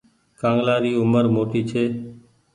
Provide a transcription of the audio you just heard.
ڪآنگلآ ري اومر موٽي ڇي۔